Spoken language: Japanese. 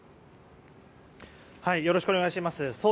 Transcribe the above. よろしくお願いします。